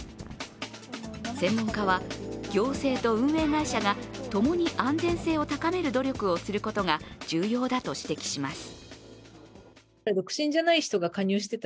専門家は、行政と運営会社が共に安全性を高める努力をすることが重要だと指摘します。